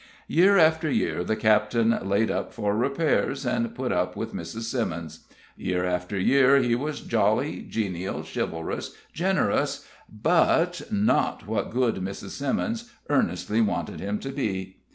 Year after year the captain laid up for repairs, and put up with Mrs. Simmons. Year after year he was jolly, genial, chivalrous, generous, but not what good Mrs. Simmons earnestly wanted him to be.